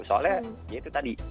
soalnya ya itu tadi